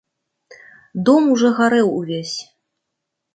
Дом ужо гарэў увесь.